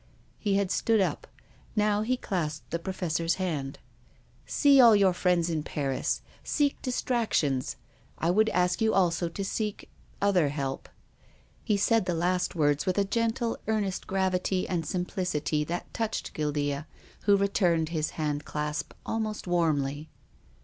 He had stood up. Now he clasped the Profes sor's hand. " See all your friends in Paris. Seek distrac tions. I would ask you also to seek — other help." He said the last words with a gentle, earnest gravity and simplicity that touched Guildea, who returned his handclasp almost warmly.